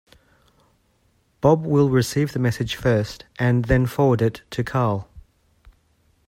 Bob will receive the message first and then forward it to Carl.